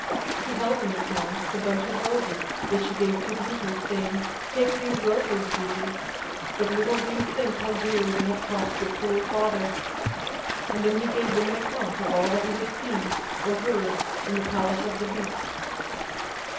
He held in his hand the bunch of roses, which he gave to Beauty, saying, "Take these roses, Beauty; but little do you think how dear they have cost your poor father;" and then he gave them an account of all that he had seen or heard in the palace of the beast.